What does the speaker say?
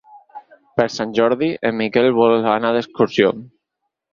Per Sant Jordi en Miquel vol anar d'excursió.